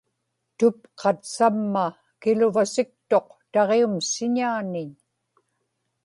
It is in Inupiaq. tupqat samma kiluvasiksuq taġium siñaaniñ